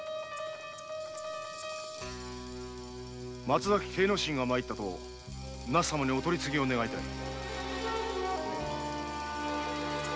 松崎圭之進が参ったと那須様にお取り次ぎを願いたい。